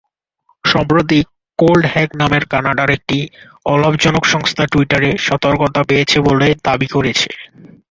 সম্প্রতি কোল্ডহ্যাক নামের কানাডার একটি অলাভজনক সংস্থা টুইটারের সতর্কবার্তা পেয়েছে বলে দাবি করেছে।